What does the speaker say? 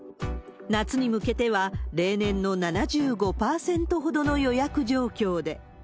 夏に向けては、例年の７５％ほどの予約状況で。